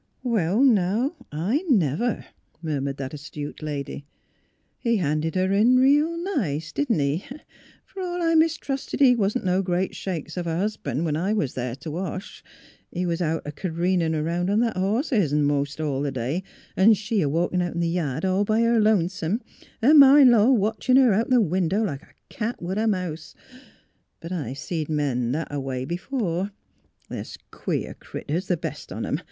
" Well, now, I never! " murmured that astute lady. '' He handed her in reel nice; didn't he! Per all I mistrusted he wa'n't no great shakes of a hus'ban', when I was there t" wash. He was out a careenin' 'round on that horse o' hisn most all day, an' she a walkin' out in th' yard all by her lonesome, her ma in law watchin' her out the window like a cat would a mouse. But I've seed men that a way b'fore. They're queer critters, the best on 'em.